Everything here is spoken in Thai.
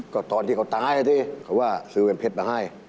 ก็ตอนที่เขาตายนี่เขาว่าซื้อแบบเพชรมาให้